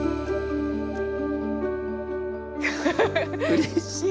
うれしい。